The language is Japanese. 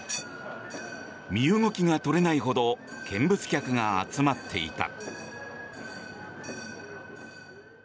身動きが取れないほど見物客が集まっていた。